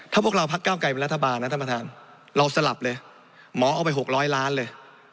ถ้าพวกเราพักเก้าไกลเป็นรัฐบาลนะท่านประธานเราสลับเลยหมอเอาไป๖๐๐ล้านเลย